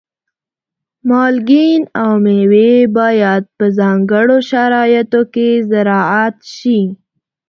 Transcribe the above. مالګین او مېوې باید په ځانګړو شرایطو کې زراعت شي.